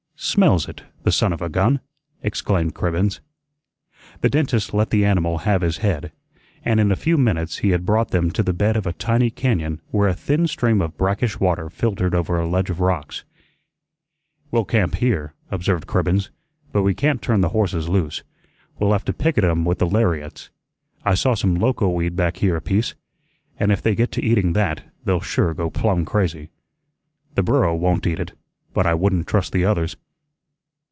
"Smells it, the son of a gun!" exclaimed Cribbens. The dentist let the animal have his head, and in a few minutes he had brought them to the bed of a tiny cañón where a thin stream of brackish water filtered over a ledge of rocks. "We'll camp here," observed Cribbens, "but we can't turn the horses loose. We'll have to picket 'em with the lariats. I saw some loco weed back here a piece, and if they get to eating that, they'll sure go plum crazy. The burro won't eat it, but I wouldn't trust the others."